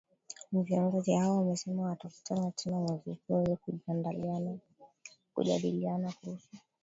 ni viongozi hao wamesema watakutana tena mwezi huu ili kujandiliana kuhusu